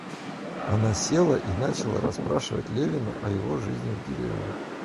Она села и начала расспрашивать Левина о его жизни в деревне.